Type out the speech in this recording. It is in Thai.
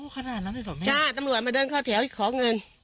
ขนาดนั้นเลยเหรอแม่ใช่ตำรวจมาเดินเข้าแถวขอเงิน